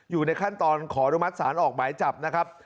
อยู่ในขั้นตอนขออนุมัติศาลออกหมายจับนะครับ